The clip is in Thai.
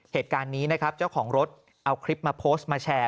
เหตุการณ์นี้นะครับเจ้าของรถเอาคลิปมาโพสต์มาแชร์